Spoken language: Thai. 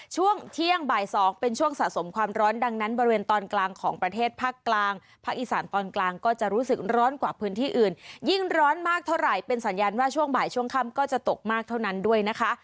ช่วงเที่ยงบ่าย๒เป็นช่วงสะสมความร้อนดังนั้นบริเวณตอนกลางของประเทศภาคกลางภาคอีสานตอนกลางก็จะรู้สึกร้อนกว่าพื้นที่อื่นยิ่งร้อนมากเท่าไหร่เป็นสัญญาณว่าช่วงบ่ายช่วงค่ำก็จะตกมากเท่านั้นด้วยนะคะ